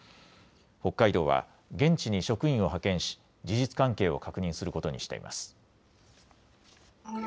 北海道は現地に職員を派遣し事実関係を確認することにしています。